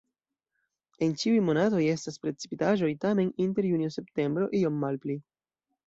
En ĉiuj monatoj estas precipitaĵoj, tamen inter junio-septembro iom malpli.